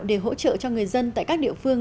để hỗ trợ cho người dân tại các địa phương